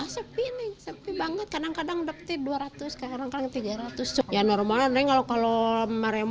sekarang setelah bawa sampah kayak gitu